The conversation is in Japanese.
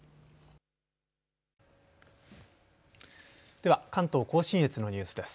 では関東甲信越のニュースです。